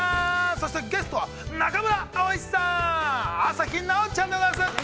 そしてゲストは、中村蒼さん、朝日奈央ちゃんでございます。